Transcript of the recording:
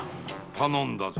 頼んだぞ。